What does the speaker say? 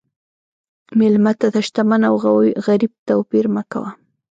مېلمه ته د شتمن او غریب توپیر مه کوه.